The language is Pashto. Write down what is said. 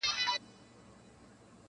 یو ټبر یو ټوله تور ټوله کارګان یو -